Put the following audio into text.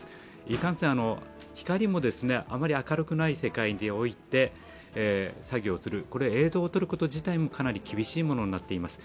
いかんせん、光もあまり明るくない世界において作業をする、映像を撮ること自体もかなり厳しいものになっています。